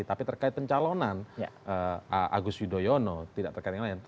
tapi terkait pencalonan agus widoyono tidak terkait dengan lain